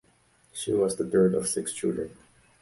She was the third of six children.